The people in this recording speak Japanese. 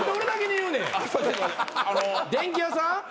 電器屋さん？